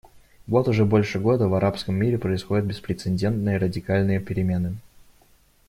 Вот уже больше года в арабском мире происходят беспрецедентные радикальные перемены.